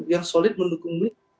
yang solid mendukung beli